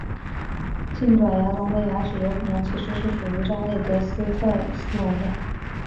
近爪牙龙的牙齿有可能其实是属于理查德伊斯特斯龙的。